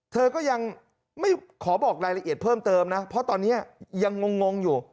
เธอก็ยังไม่ขอบอกรายละเอียดเพิ่มเติมนะเพราะตอนนี้ยังงงอยู่